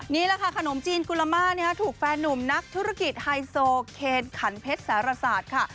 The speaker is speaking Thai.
นี่แหละค่ะขนมจีนกุลมาถูกแฟนนุ่มนักธุรกิจไฮโซเคนขันเพชรสารศาสตร์ค่ะ